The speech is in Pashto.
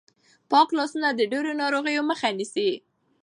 پاک لاسونه د ډېرو ناروغیو مخه نیسي.